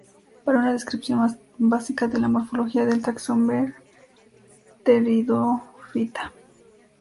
Para una descripción más básica de la morfología del taxón ver Pteridophyta.